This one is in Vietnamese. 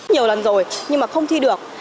nhiều lần rồi nhưng mà không thi được